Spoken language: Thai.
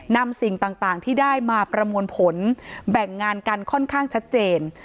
นำสิ่งต่างที่ได้มาประมวลผลแบ่งงานกันค่อนข้างชัดเจน